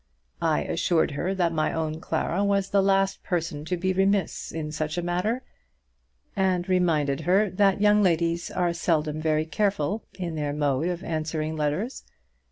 I assured her that my own Clara was the last person to be remiss in such a matter, and reminded her that young ladies are seldom very careful in their mode of answering letters.